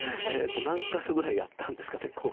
何か所ぐらいやったんですかコウ。